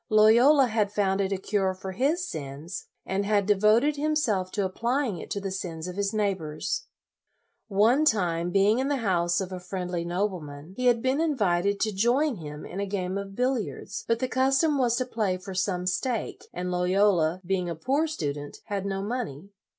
Loyola had found it a cure for his sins, and had devoted himself to applying it to the sins of his neighbors. One time, being in the house of a friendly nobleman, he had been 66 LOYOLA invited to join him in a game of billiards, but the custom was to play for some stake, and Loyola, being a poor student, had no money.